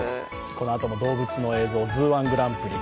このあとも動物の影像、「ＺＯＯ−１グランプリ」。